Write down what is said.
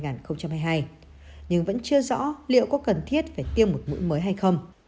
nhưng vẫn chưa rõ liệu có cần thiết phải tiêm một mũi mới hay không